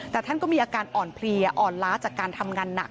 แต่ท่านก็มีอาการอ่อนเพลียอ่อนล้าจากการทำงานหนัก